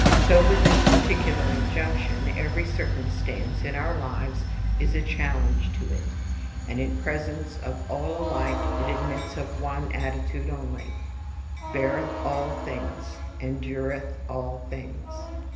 So with this particular injunction, every circumstance in our lives is a challenge to it, and in presence of all alike it admits of one attitude only: 'Beareth all things, endureth all things.'